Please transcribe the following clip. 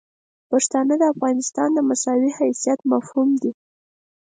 پښتانه د افغانستان د مساوي حیثیت مفهوم دي.